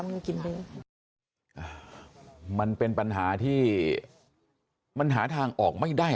มีกินเองอ่ามันเป็นปัญหาที่มันหาทางออกไม่ได้